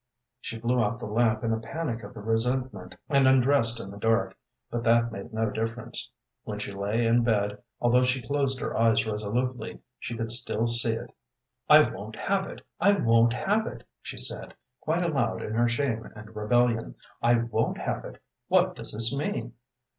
She blew out the lamp in a panic of resentment and undressed in the dark, but that made no difference. When she lay in bed, although she closed her eyes resolutely, she could still see it. "I won't have it; I won't have it," she said, quite aloud in her shame and rebellion. "I won't have it. What does this mean?"